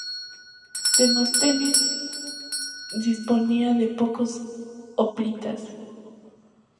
Demóstenes disponía de pocos hoplitas.